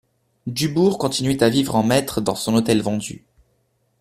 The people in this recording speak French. Dubourg continuait à vivre en maître dans son hôtel vendu.